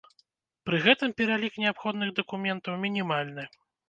Пры гэтым пералік неабходных дакументаў мінімальны.